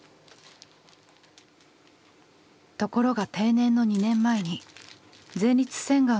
ところが定年の２年前に前立腺がんが発覚。